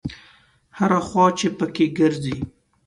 هره خوا چې په کې ګرځې.